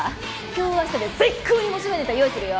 今日明日で最高に面白いネタ用意するよ。